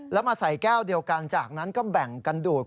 แล้วมาใส่แก้วเดียวกันจากนั้นก็แบ่งกันดูด